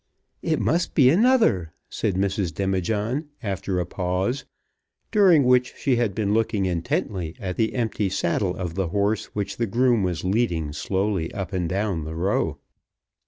"It must be another," said Mrs. Demijohn, after a pause, during which she had been looking intently at the empty saddle of the horse which the groom was leading slowly up and down the Row.